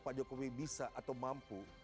pak jokowi bisa atau mampu